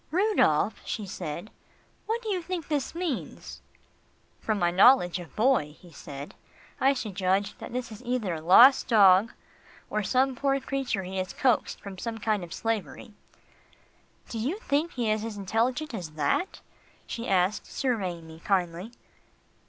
"Rudolph," she said, "what do you think this means?" "From my knowledge of Boy," he said, "I should judge that this is either a lost dog, or some poor creature he has coaxed from some kind of slavery." "Do you think he is as intelligent as that?" she asked surveying me kindly.